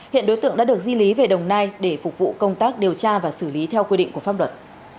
hiện đối tượng đã được di lý về đồng nai để phục vụ công tác điều tra và xử lý theo quy định của pháp luật